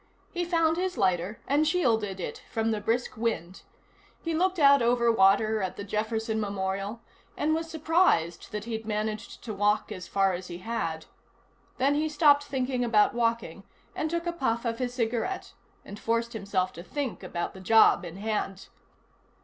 He found his lighter and shielded it from the brisk wind. He looked out over water at the Jefferson Memorial, and was surprised that he'd managed to walk as far as he had. Then he stopped thinking about walking, and took a puff of his cigarette, and forced himself to think about the job in hand.